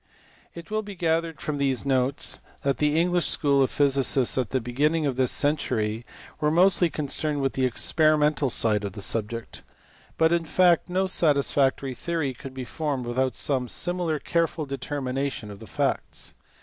It will be gathered from these notes that the English school of physicists at the beginning of this century were mostly concerned with the experimental side of the subject. But in fact no satisfactory theory could be formed without some similar careful determination of the facts.